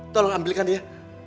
tolong ambilkan dia